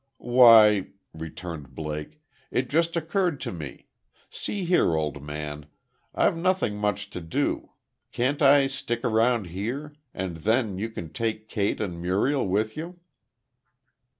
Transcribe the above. "Why," returned Blake, "it just occurred to me see here, old man, I've nothing much to do. Can't I stick around here? And then you can take Kate and Muriel with you."